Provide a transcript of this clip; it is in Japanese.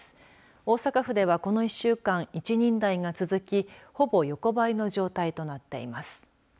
大阪府では、この１週間１人台が続きほぼ横ばいの状態となっています。